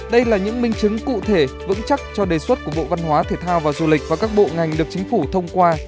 đây là những minh chứng cụ thể vững chắc cho đề xuất của bộ văn hóa thể thao và du lịch và các bộ ngành được chính phủ thông qua